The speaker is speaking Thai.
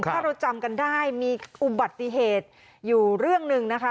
ถ้าเราจำกันได้มีอุบัติเหตุอยู่เรื่องหนึ่งนะคะ